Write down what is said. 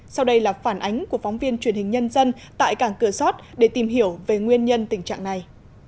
sau đây là phản ánh của phóng viên truyền hình nhân dân tại cảng cửa sót để tìm hiểu về nguyên nhân tình trạng này